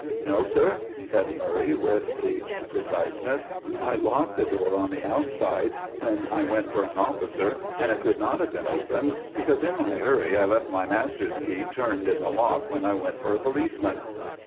"No, sir," said Murray, with aged preciseness. "I locked the door on the outside when I went for an officer, and it could not have been opened, because in my hurry I left my master's key turned in the lock when I went for a policeman."